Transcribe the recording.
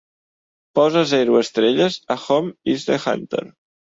Posa zero estrelles a "Home Is the Hunter"